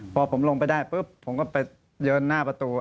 พอผมลงไปได้ปุ๊บผมก็ไปเดินหน้าประตู